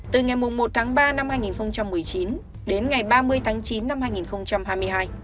từ ngày một tháng ba năm hai nghìn một mươi chín đến ngày ba mươi tháng chín năm hai nghìn hai mươi hai